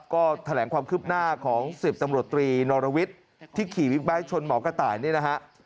ก็แถลงความคืบหน้าของ๑๐ตำรวจตรีนอรวิทย์ที่ขี่บิ๊กไบท์ชนหมอกระต่ายนี่นะฮะ